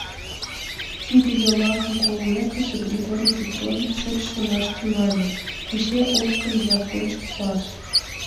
Тиде йомакым колмекыже, Григорий Петрович чот шонаш тӱҥале: «Кузе опкын-влак деч утлаш?..